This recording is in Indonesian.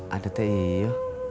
ada teh iyo